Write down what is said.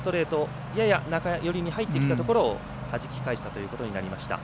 中寄りに入ってきたところをはじき返したということになりました。